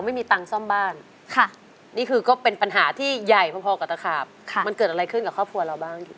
ไม่มีตังค์ซ่อมบ้านนี่คือก็เป็นปัญหาที่ใหญ่พอกับตะขาบมันเกิดอะไรขึ้นกับครอบครัวเราบ้าง